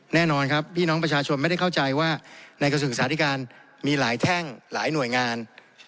แน่นอนครับพี่น้องประชาชนไม่ได้เข้าใจว่าในกระทรวงศึกษาธิการมีหลายแท่งหลายหน่วยงาน